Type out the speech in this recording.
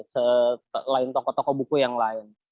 selain toko toko buku yang lain